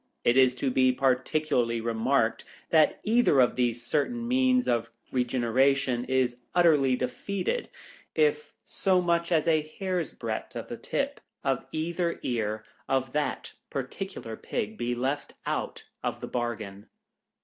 It is to be particularly remarked that either of these certain means of regeneration is utterly defeated, if so much as a hair's breadth of the tip of either ear of that particular Pig be left out of the bargain.